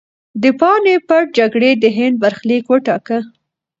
د پاني پت جګړې د هند برخلیک وټاکه.